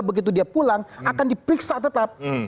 begitu dia pulang akan diperiksa tetap